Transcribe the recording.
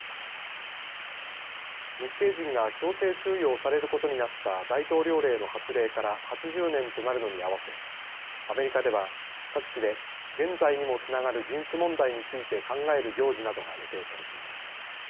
日系人が強制収容されることになった大統領令の発令から８０年となるのに合わせアメリカでは各地で現在にもつながる人種問題について考える行事などが予定されています。